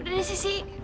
udah deh sisi